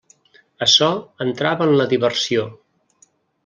Açò entrava en la diversió.